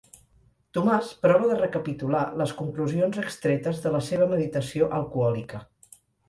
Tomàs prova de recapitular les conclusions extretes de la seva meditació alcohòlica.